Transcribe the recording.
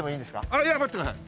あっいや待ってください。